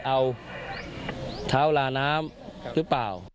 เอาเท้าลาน้ำหรือเปล่า